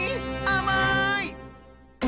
あまい！